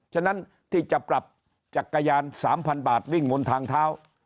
ฉะนั้นที่จะปรับจักรยาน๓๐๐บาทวิ่งบนทางเท้า